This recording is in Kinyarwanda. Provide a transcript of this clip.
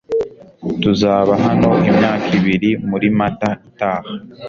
tuzaba hano imyaka ibiri muri mata itaha